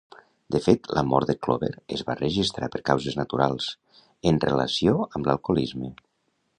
De fet, la mort de Clover es va registrar per causes naturals, en relació amb l'alcoholisme.